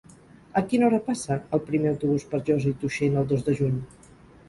A quina hora passa el primer autobús per Josa i Tuixén el dos de juny?